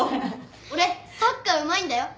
俺サッカーうまいんだよ。